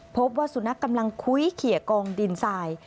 พบว่าสุนัขกำลังคุ้ยเขียกองดินทราย